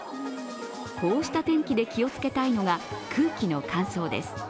こうした天気で気を付けたいのが空気の乾燥です。